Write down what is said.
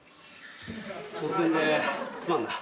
突然ですまんな。